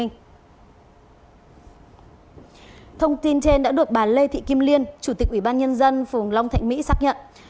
thông tin trên đã được bà lê thị kim liên chủ tịch ủy ban nhân dân phường long thạnh mỹ xác nhận